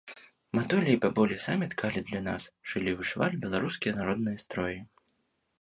Матулі і бабулі самі ткалі для нас, шылі і вышывалі беларускія народныя строі.